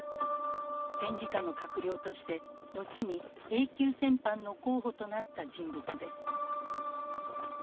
戦時下の閣僚として後にＡ級戦犯の候補となった人物です。